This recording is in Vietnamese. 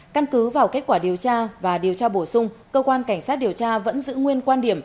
căn cứ vào kết quả điều tra và điều tra bổ sung cơ quan cảnh sát điều tra vẫn giữ nguyên quan điểm